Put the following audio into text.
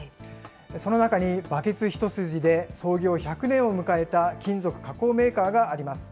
その中にバケツ一筋で創業１００年を迎えた金属加工メーカーがあります。